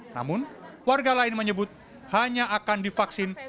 namun warga lain menyebut hanya akan divaksin